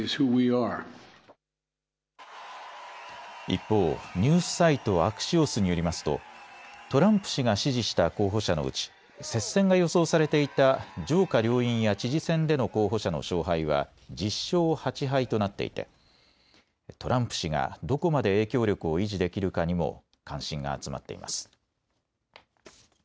一方、ニュースサイト、アクシオスによりますとトランプ氏が支持した候補者のうち接戦が予想されていた上下両院や知事選での候補者の勝敗は１０勝８敗となっていてトランプ氏がどこまで影響力を維持できるかにも関心が集まっています。